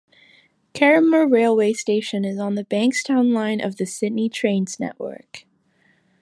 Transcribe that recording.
Carramar railway station is on the Bankstown Line of the Sydney Trains network.